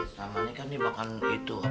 samanya kan ini makan itu